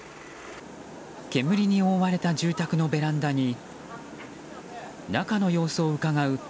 煙に覆われた住宅のベランダに中の様子をうかがう